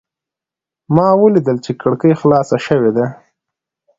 ما ولیدل چې کړکۍ خلاصه شوې ده.